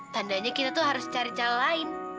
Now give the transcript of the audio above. tandanya kita tuh harus cari jalan lain